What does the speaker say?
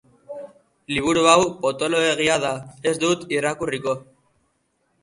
Liburu hau potoloegia da, ez dut irakurriko.